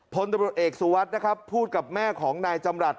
พลตำรวจเอกสุวัสดิ์นะครับพูดกับแม่ของนายจำรัฐ